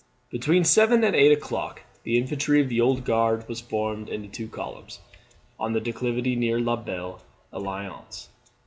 Between seven and eight o'clock, the infantry of the Old Guard was formed into two columns, on the declivity near La Belle Alliance.